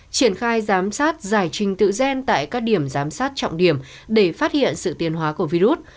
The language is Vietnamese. triển khai giám sát giải trình tự gen tại các điểm giám sát trọng điểm để phát hiện sự tiền hóa của virus